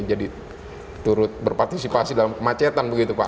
jadi turut berpartisipasi dalam kemacetan begitu pak